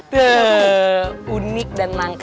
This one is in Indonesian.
tuh unik dan langka